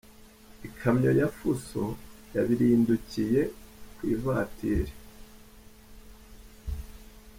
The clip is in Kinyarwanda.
Ikamyo ya Fuso yabirindukiye ku ivatiri